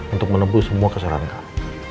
untuk menebul semua keserangan kamu